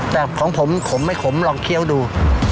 แต่ของผมขมไม่ขมลองเคี้ยวดู